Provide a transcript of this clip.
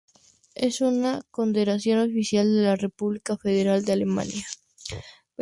Es una condecoración oficial de la República Federal de Alemania.